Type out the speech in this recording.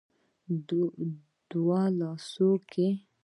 دوو لاسونو کې